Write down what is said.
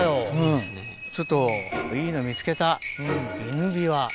ちょっといいの見つけたイヌビワ。